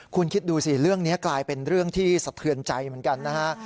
คุณคิดดูสิเรื่องนี้กลายเป็นเรื่องที่สะเทือนใจเหมือนกันนะฮะ